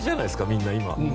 みんな、今。